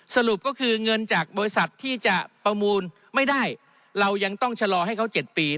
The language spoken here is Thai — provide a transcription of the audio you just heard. สรุปก็คือเงินจากบริษัทที่จะประมูลไม่ได้เรายังต้องชะลอให้เขา๗ปี